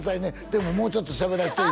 「でももうちょっとしゃべらせて」